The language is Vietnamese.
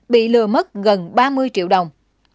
bị lừa mất gần ba mươi triệu đồng